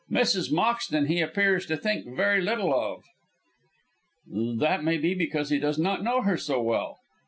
Mrs. Moxton he appears to think very little of." "That may be because he does not know her so well.